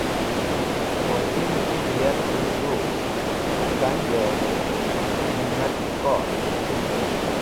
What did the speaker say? Qẽwatin ki dẽ yarkẽn tu k̃han yor, himati kor.